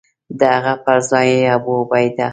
د هغه پر ځای یې ابوعبیده.